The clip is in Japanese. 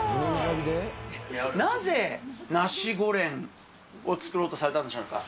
なぜ、ナシゴレンを作ろうとされたんでしょうか。